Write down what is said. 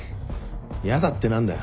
やだって何だよ。